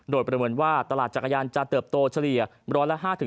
โดยประเมินว่าตลาดจักรยานจะเติบโตเฉลี่ย๑๐๕